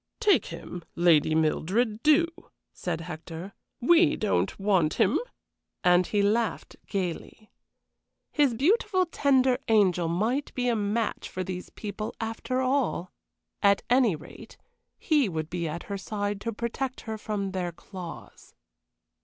"Take him, Lady Mildred, do," said Hector; "we don't want him," and he laughed gayly. His beautiful, tender angel might be a match for these people after all. At any rate, he would be at her side to protect her from their claws.